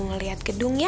ngeliat gedung ya